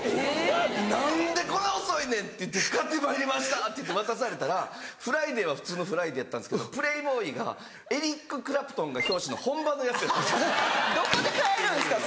「何でこんな遅いねん」って言って「買ってまいりました」って言って渡されたら『ＦＲＩＤＡＹ』は普通の『ＦＲＩＤＡＹ』やったんですけど『プレイボーイ』がエリック・クラプトンが表紙の本場のやつやったんです。どこで買えるんすか？